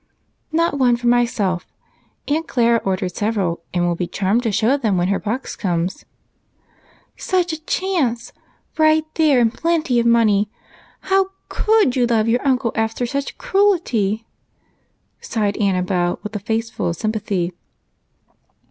"Not one for myself. Aunt Clara ordered several, and will be charmed to show them when her box comes." "Such a chance! Right there and plenty of money! How could you love your uncle after such cruelty?" sighed Annabel, with a face full of sympathy.